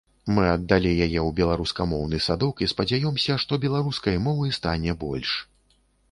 Мы аддалі яе ў беларускамоўны садок і спадзяёмся, што беларускай мовы стане больш.